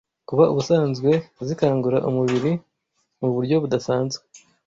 Kuba ubusanzwe zikangura umubiri mu buryo budasanzwe,